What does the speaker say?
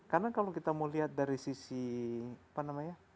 karena kalau kita mau lihat dari sisi apa namanya